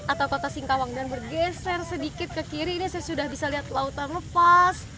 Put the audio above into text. atau kota singkawang dan bergeser sedikit ke kiri ini saya sudah bisa lihat lautan lepas